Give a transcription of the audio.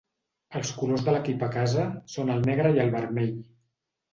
Els colors de l'equip a casa són el negre i el vermell.